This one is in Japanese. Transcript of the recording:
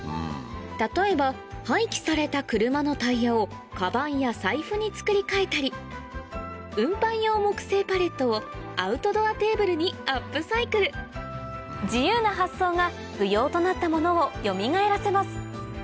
例えば廃棄された車のタイヤをかばんや財布に作り替えたり運搬用木製パレットをアウトドアテーブルにアップサイクル自由な発想が不要となったものをよみがえらせます